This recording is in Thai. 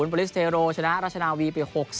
ปลิสเทโรชนะราชนาวี๖๓